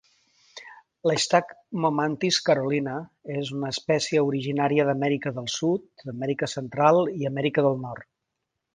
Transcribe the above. La "Stagmomantis carolina" és una espècie originària d'Amèrica del Sud, Amèrica Central i Amèrica del Nord.